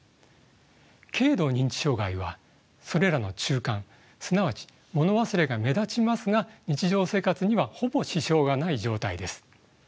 軽度認知障害はそれらの中間すなわちもの忘れが目立ちますが日常生活にはほぼ支障がない状態です。